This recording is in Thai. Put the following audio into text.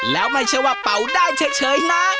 แล้วไม่ใช่ว่าเป่าได้เฉยนะ